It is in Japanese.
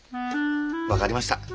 分かりました。